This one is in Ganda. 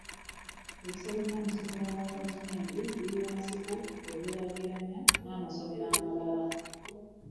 Ebisale bya massomero ga gavumenti biri wansi ko bwo geraganya n'amassomero amalala.